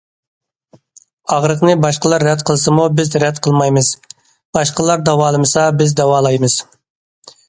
ئاغرىقنى باشقىلار رەت قىلسىمۇ بىز رەت قىلمايمىز، باشقىلار داۋالىمىسا بىز داۋالايمىز.